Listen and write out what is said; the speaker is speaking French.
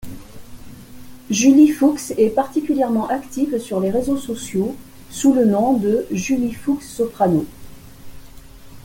Julie Fuchs est particulièrement active sur les réseaux sociaux sous le nom de juliefuchssoprano.